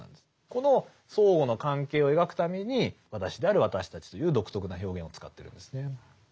この相互の関係を描くために私である私たちという独特な表現を使ってるんですね。